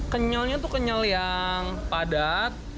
kenyalnya tuh kenyal yang padat